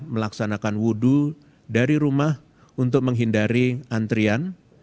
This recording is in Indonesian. melaksanakan wudhu dari rumah untuk menghindari antrian